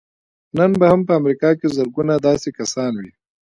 نن به هم په امريکا کې زرګونه داسې کسان وي.